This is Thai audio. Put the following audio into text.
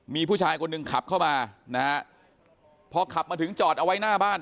มีผู้ชายคนหนึ่งขับเข้ามานะฮะพอขับมาถึงจอดเอาไว้หน้าบ้าน